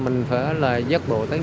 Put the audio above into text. mình phải dắt bộ tới nhà luôn